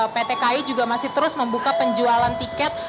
ptki juga masih terus membuka penjualan tiket